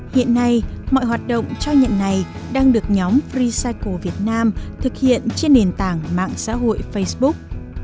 hiện nay mọi hoạt động cho nhận này đang được nhóm freecycle việt nam thực hiện trên nền tảng mạng xã hội facebook